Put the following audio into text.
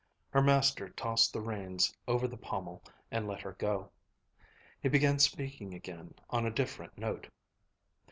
Her master tossed the reins over the pommel and let her go. He began speaking again on a different note.